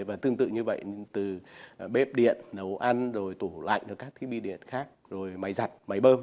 và tương tự như vậy từ bếp điện nấu ăn rồi tủ lạnh rồi các thiết bị điện khác rồi máy giặt máy bơm